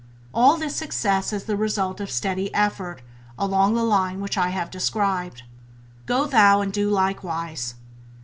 All this success is the result of steady effort along the line which I have described. "Go thou and do likewise".